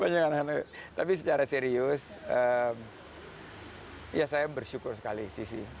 banyak anak anak tapi secara serius ya saya bersyukur sekali sisi